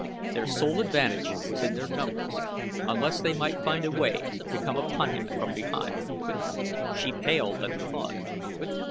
Their sole advantage was in their numbers, unless they might find a way to come upon him from behind. She paled at the thought.